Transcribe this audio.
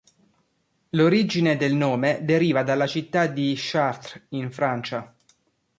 L'origine del nome deriva dalla città di Chartres in Francia.